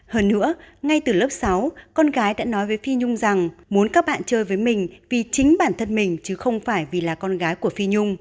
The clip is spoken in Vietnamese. hơn nữa ngay từ lớp sáu con gái đã nói với phi nhung rằng muốn các bạn chơi với mình vì chính bản thân mình chứ không phải vì là con gái của phi nhung